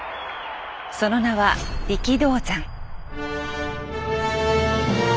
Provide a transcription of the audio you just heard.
その名は力道山。